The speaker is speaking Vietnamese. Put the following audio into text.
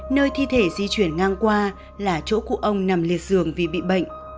nơi thi thể di chuyển ngang qua là chỗ cụ ông nằm liệt giường vì bị bệnh